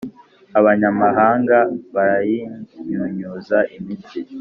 Abanyamahanga barayinyunyuza imitsi,